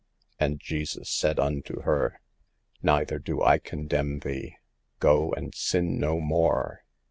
," And Jesus said unto her ; 6 Neither do I condemn thee ; go and sin no more.'